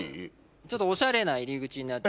ちょっとオシャレな入り口になって。